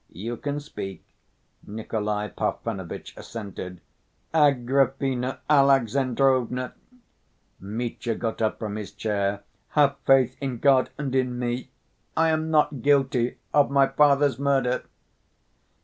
"You can speak," Nikolay Parfenovitch assented. "Agrafena Alexandrovna!" Mitya got up from his chair, "have faith in God and in me. I am not guilty of my father's murder!"